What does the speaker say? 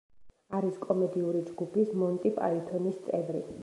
არის კომედიური ჯგუფის მონტი პაითონის წევრი.